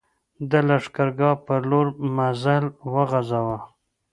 د لښکرګاه پر لور مزل وغځاوه.